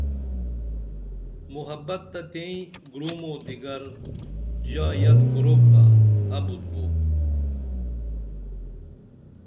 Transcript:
محبت تہ تئیں گُروم و دیگر ژا یت کروپ بہ ابُت بو